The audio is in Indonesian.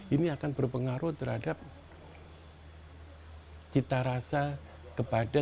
ini akan berpengaruh terhadap cita rasa kepada